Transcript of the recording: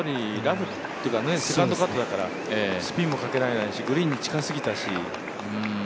ラフというかセカンドカットですから、スピンもかけられないし、グリーンに近すぎたし。